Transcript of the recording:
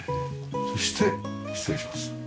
そして失礼します。